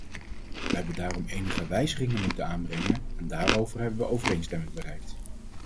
We hebben daarom enige wijzigingen moeten aanbrengen, en daarover hebben we overeenstemming bereikt.